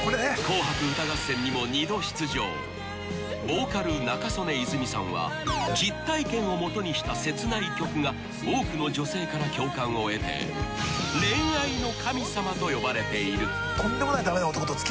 ［ボーカル仲宗根泉さんは実体験をもとにした切ない曲が多くの女性から共感を得て恋愛の神様と呼ばれている］